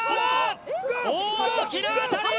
大きな当たり！